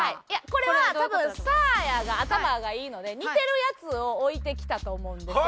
これは多分サーヤが頭がいいので似てるやつを置いてきたと思うんですよ。